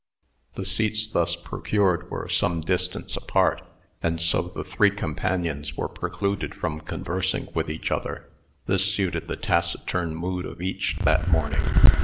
The seats thus procured were some distance apart; and so the three companions were precluded from conversing with each other. This suited the taciturn mood of each that morning.